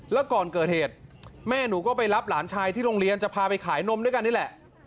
แล้วก่อนเกิดเหตุแม่หนูก็ไปรับหลานชายที่โรงเรียนจะพาไปขายนมด้วยกันนี่แหละ